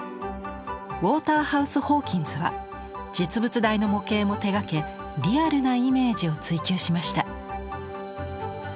ウォーターハウス・ホーキンズは実物大の模型も手がけリアルなイメージを追求しました。